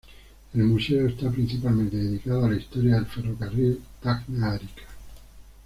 El museo está principalmente dedicado a la historia del Ferrocarril Tacna-Arica.